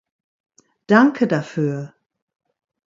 Danke dafür!